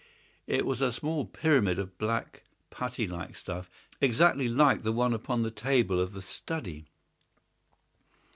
It was a small pyramid of black, putty like stuff, exactly like the one upon the table of the study.